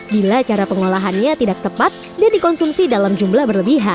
bila cara pengolahannya tidak tepat dan dikonsumsi dalam jumlah berlebihan